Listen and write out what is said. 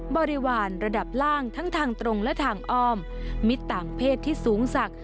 บริวารระดับล่างทั้งทางตรงและทางอ้อมมิตรต่างเพศที่สูงศักดิ์